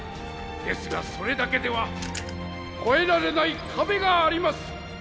ですがそれだけでは越えられない壁があります。